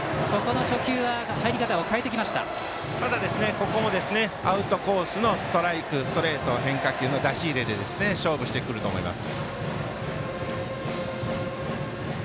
ここもアウトコースのストライク、ストレート変化球の出し入れで勝負してくると思います。